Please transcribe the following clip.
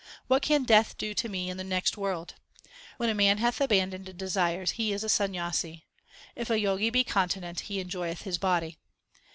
What can Death do to me in the next world ? When man hath abandoned desires he is a Sanyasi. If a Jogi be continent, he enjoyeth his body.